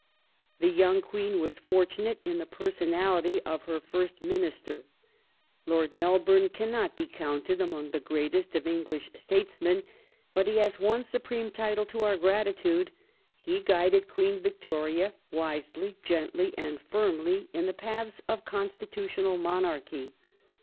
The young queen was fortunate in the personality of her first Lord Mel Minister. Lord Melbourne cannot be counted among the gi'eatest °"'"^ of English statesmen, but he has one supreme title to our grati tude : he guided Queen Victoria wisely, gently, and firmly in the paths of constitutional monarchy.